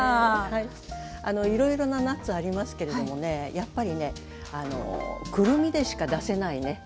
はいいろいろなナッツありますけれどもねやっぱりねくるみでしか出せないね